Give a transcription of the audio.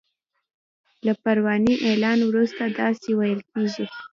له پروني اعلان وروسته داسی ویل کیږي